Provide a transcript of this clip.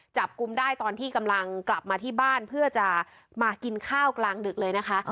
จับกลุ่มได้ตอนที่กำลังกลับมาที่บ้านเพื่อจะมากินข้าวกลางดึกเลยนะคะ